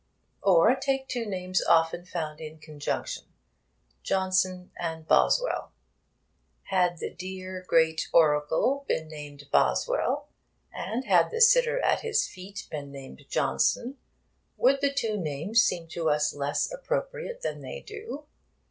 Or take two names often found in conjunction Johnson and Boswell. Had the dear great oracle been named Boswell, and had the sitter at his feet been named Johnson, would the two names seem to us less appropriate than they do?